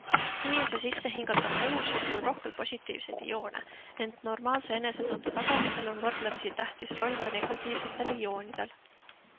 Inimese sissehingatavas õhus on küll rohkelt positiivseid ioone, ent normaalse enesetunde tagamisel on võrdlemisi tähtis roll ka negatiivsetel ioonidel.